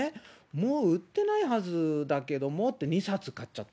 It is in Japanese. もう売ってないはずだけどもって、２冊買っちゃった。